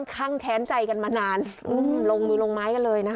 อ๋อค่างแท้นใจกันมานานอืมลงลงไม้กันเลยนะคะ